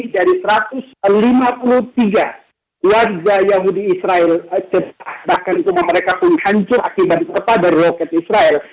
dari satu ratus lima puluh tiga warga yahudi israel bahkan rumah mereka pun hancur akibat dari loket israel